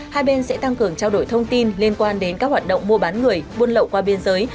hai bên sẽ tăng cường trao đổi thông tin liên quan đến các hoạt động mua bán người buôn lậu qua biên giới